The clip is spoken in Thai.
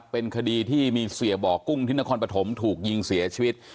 เป็นคดีที่มีเสียบ่อกุ้งที่นครปฐมถูกยิงเสียชีวิต